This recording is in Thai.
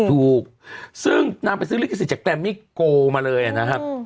ถูกซึ่งนางไปซื้อลิขสิทธิจากแรมมี่โกมาเลยนะครับ